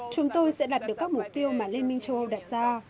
chúng tôi sẽ đạt được các mục tiêu mà liên minh châu âu đặt ra